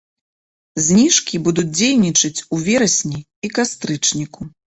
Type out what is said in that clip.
Зніжкі будуць дзейнічаць у верасні і кастрычніку.